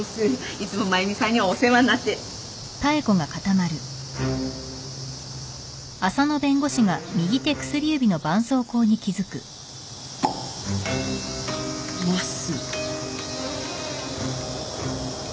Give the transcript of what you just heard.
いつも真由美さんにはお世話になって。ます。